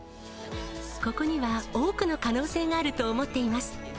ここには多くの可能性があると思っています。